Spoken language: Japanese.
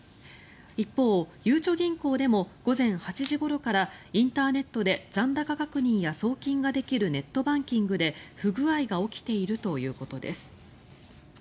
一方、ゆうちょ銀行でも午前８時ごろからインターネットで残高確認や送金ができるネットバンキングで不具合が起きているということです。